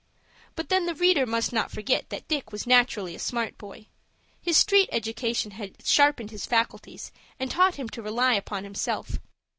But then the reader must not forget that Dick was naturally a smart boy. His street education had sharpened his faculties, and taught him to rely upon himself.